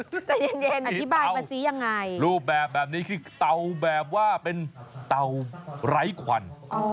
ใจเย็นอธิบายมาสิยังไงรูปแบบนี้คือเตาแบบว่าเป็นเต่าไร้ควัน